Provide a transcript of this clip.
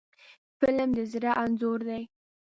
فلم د زړه انځور دی